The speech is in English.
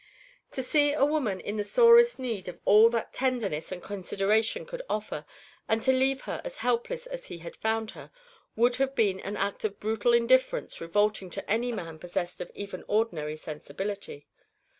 To see a woman in the sorest need of all that kindness and consideration could offer, and to leave her as helpless as he had found her, would have been an act of brutal indifference revolting to any man possessed of even ordinary sensibility.